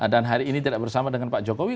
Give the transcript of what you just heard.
dan hari ini tidak bersama dengan pak jokowi